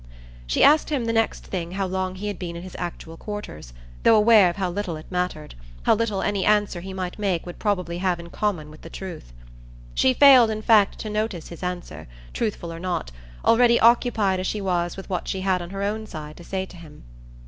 She asked him the next thing how long he had been in his actual quarters, though aware of how little it mattered, how little any answer he might make would probably have in common with the truth. She failed in fact to notice his answer, truthful or not, already occupied as she was with what she had on her own side to say to him.